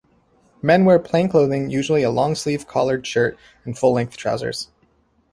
Men wear plain clothing, usually a long-sleeved collared shirt and full-length trousers.